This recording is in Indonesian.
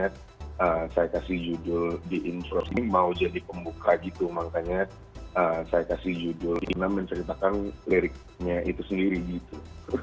saya kasih judul the infrast ini mau jadi pembuka gitu makanya saya kasih judul lima menceritakan liriknya itu sendiri gitu